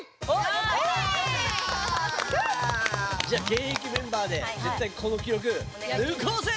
じゃあげんえきメンバーでぜったいこの記録ぬこうぜ！